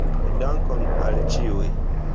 Dankon al ĉiuj.